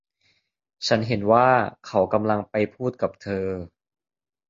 ฉันเห็นว่าเขากำลังเข้าไปพูดกับเธอ